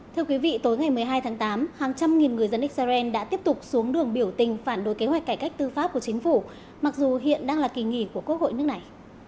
thưa quý vị tối ngày một mươi hai tháng tám hàng trăm nghìn người dân israel đã tiếp tục xuống đường biểu tình phản đối kế hoạch cải cách tư pháp của chính phủ mặc dù hiện đang là kỳ nghỉ của quốc hội nước này